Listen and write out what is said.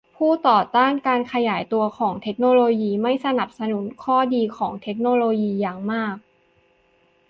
ผู้ต่อต้านการขยายตัวของเทคโนโลยีไม่สนับสนุนข้อดีของเทคโนโลยีอย่างมาก